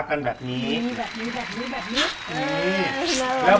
ของคุณยายถ้วน